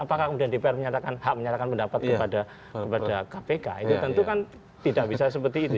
apakah kemudian dpr menyatakan hak menyatakan pendapat kepada kpk itu tentu kan tidak bisa seperti itu